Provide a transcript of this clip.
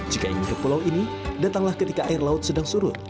jika ingin ke pulau ini datanglah ketika air laut sedang surut